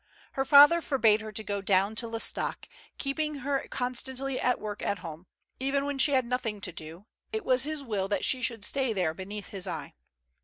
Her father forbade her to go down to L'Estaqiie, keeping her constantly at work at home ; even when she had nothing to do, it was his will that she should stay there beneath his eye.